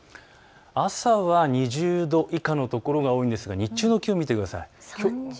朝は２０度以下の所が多いんですが日中の気温を見てください。